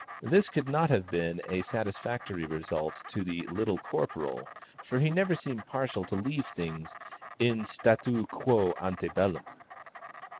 This could not have been a satisfactory result to the "Little Corporal," for he never seemed partial to leaving things in statu quo ante bellum.